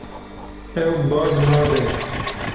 Ew baz nade.